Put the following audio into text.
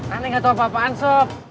ani gak tau apa apaan sob